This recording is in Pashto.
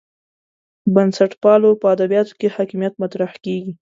بنسټپالو په ادبیاتو کې حاکمیت مطرح کېږي.